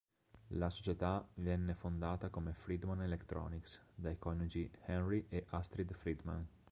La società venne fondata come Freedman Electronics dai coniugi Henry e Astrid Freedman.